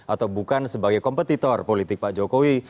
atau bukan sebagai kompetitor politik pak jokowi